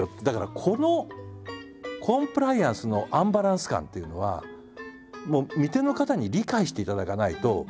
だからこのコンプライアンスのアンバランス感っていうのはもう見手の方に理解していただかないと。